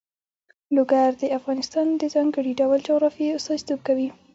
لوگر د افغانستان د ځانګړي ډول جغرافیه استازیتوب کوي.